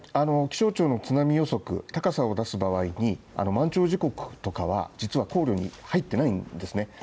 気象庁の津波予測、高さを出す場合に、あの満潮時刻とかは、実は考慮に入ってないんですね。